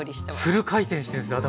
フル回転してるんですね頭。